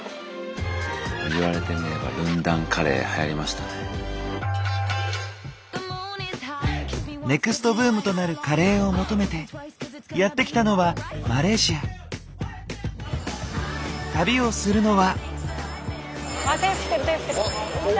言われてみれば「ネクストブームとなるカレー」を求めてやって来たのは旅をするのは。